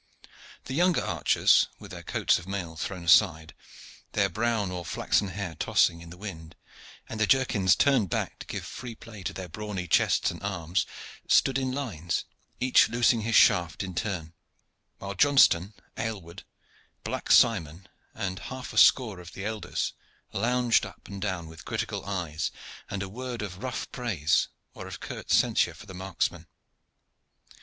The younger archers, with their coats of mail thrown aside, their brown or flaxen hair tossing in the wind, and their jerkins turned back to give free play to their brawny chests and arms, stood in lines, each loosing his shaft in turn, while Johnston, Aylward, Black Simon, and half a score of the elders lounged up and down with critical eyes, and a word of rough praise or of curt censure for the marksmen.